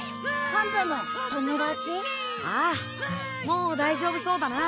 もう大丈夫そうだな。